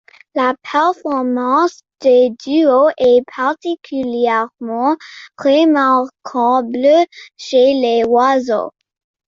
La performance des duos est particulièrement remarquable chez les oiseaux.